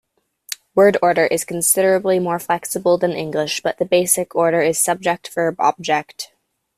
Word order is considerably more flexible than English, but the basic order is subject-verb-object.